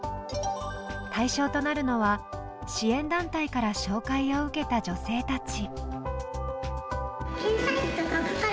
対象となるのは支援団体から紹介を受けた女性たち。